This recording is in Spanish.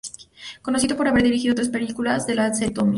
Conocido por haber dirigido tres películas de la serie Tomie.